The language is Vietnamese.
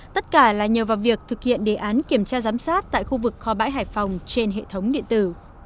tất cả là nhờ vào việc thực hiện đề án kiểm tra giám sát tại khu vực kho bãi hải phòng trên hệ thống điện tử